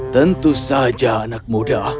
tentu saja anak muda